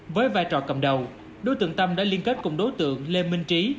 với vai trò cầm đầu đối tượng tâm đã liên kết cùng đối tượng lê minh trí